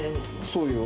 そうよ。